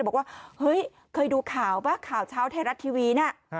บอกว่าเฮ้ยเคยดูข่าวไหมข่าวชาวใทรัฐทรีวีนะ